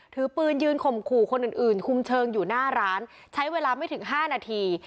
ถือปืนยืนข่มขู่คนอื่นอื่นคุมเชิงอยู่หน้าร้านใช้เวลาไม่ถึง๕นาที